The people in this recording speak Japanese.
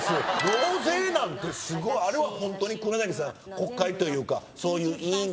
納税なんてすごいあれはホントに黒柳さん国会というかそういう委員会で。